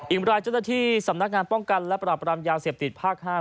รายเจ้าหน้าที่สำนักงานป้องกันและปรับรามยาเสพติดภาค๕